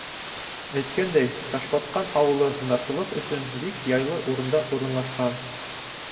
Әйткәндәй, Ташбатҡан ауылы һунарсылыҡ өсөн бик яйлы урында урынлашҡан.